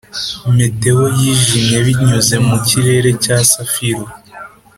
meteor yijimye binyuze mu kirere cya safiro.